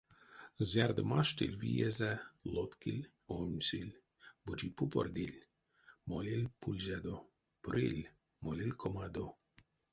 Зярдо маштыль виезэ, лоткиль, оймсиль, бути пупордиль, молиль пульзядо, прыль — молиль комадо.